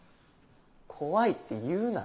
「怖い」って言うな。